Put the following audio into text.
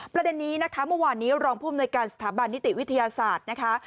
ประเด็นนี้นะคะเมื่อวานนี้รองผู้อำนวยการสถาบันนิติวิทยาศาสตร์นะคะ